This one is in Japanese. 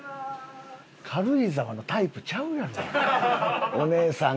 軽井沢のタイプちゃうやんお姉さんが。